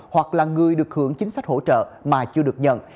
hoặc là người được hưởng chính sách hỗ trợ mà chưa được nhận